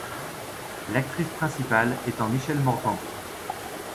L'actrice principale étant Michèle Morgan.